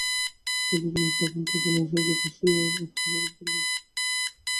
তাঁদের কোন সাধনা থাকে না, ঈশ্বরকে তাঁরা স্বীয় আত্মার স্বরূপ বলে বোধ করেন।